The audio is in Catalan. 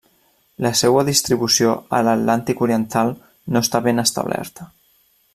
La seua distribució a l'Atlàntic oriental no està ben establerta.